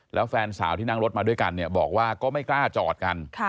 แล้วแฟนสาวที่นั่งรถมาด้วยกันเนี่ยบอกว่าก็ไม่กล้าจอดกัน